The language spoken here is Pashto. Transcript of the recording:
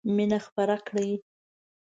مينه خپره کړئ.